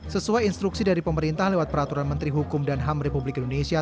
sesuai instruksi dari pemerintah lewat peraturan menteri hukum dan ham republik indonesia